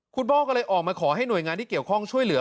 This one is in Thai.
พ่อก็เลยออกมาขอให้หน่วยงานที่เกี่ยวข้องช่วยเหลือ